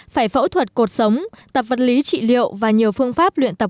phải phẫu thuật cột sống tập vật lý trị liệu và nhiều phương pháp luyện tập